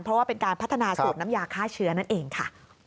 เพราะว่าเป็นการพัฒนาสูตรน้ำยาฆ่าเชื้อนั่นเองค่ะ